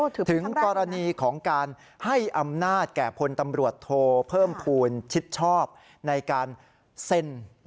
ถึงกรณีของการให้อำนาจแก่พลตำรวจโทเพิ่มภูมิชิดชอบในการเซ็น